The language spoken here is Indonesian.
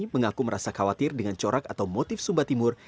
mengaku merasa khawatir dengan corak atau motif sumba timur